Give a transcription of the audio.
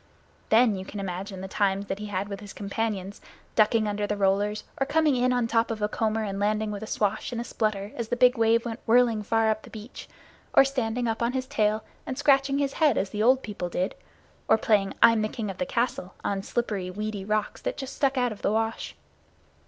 Then you can imagine the times that he had with his companions, ducking under the rollers; or coming in on top of a comber and landing with a swash and a splutter as the big wave went whirling far up the beach; or standing up on his tail and scratching his head as the old people did; or playing "I'm the King of the Castle" on slippery, weedy rocks that just stuck out of the wash.